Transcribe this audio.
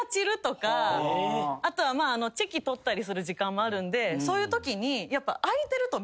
あとはチェキ撮ったりする時間もあるんでそういうときに。